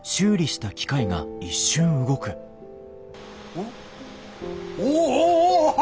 おっおお！